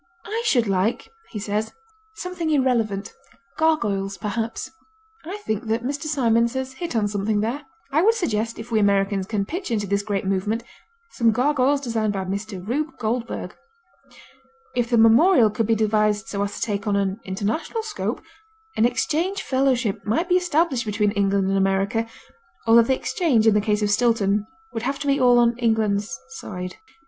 "I should like," he says, "something irrelevant gargoyles, perhaps." I think that Mr. Symonds has hit on something there. I would suggest, if we Americans can pitch into this great movement, some gargoyles designed by Mr. Rube Goldberg. If the memorial could be devised so as to take on an international scope, an exchange fellowship might be established between England and America, although the exchange, in the case of Stilton, would have to be all on England's side.